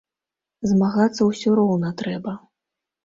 Змагацца ўсё роўна трэба.